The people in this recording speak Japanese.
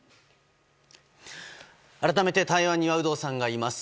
改めて台湾には有働さんがいます。